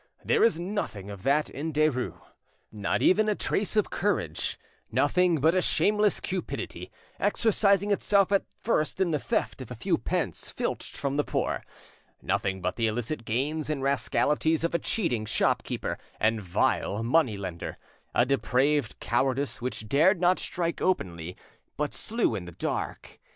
There is nothing of that in Derues, not even a trace of courage; nothing but a shameless cupidity, exercising itself at first in the theft of a few pence filched from the poor; nothing but the illicit gains and rascalities of a cheating shopkeeper and vile money lender, a depraved cowardice which dared not strike openly, but slew in the dark.